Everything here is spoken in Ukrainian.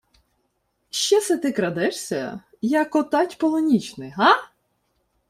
— Що се ти крадешся, яко тать полунічний, га?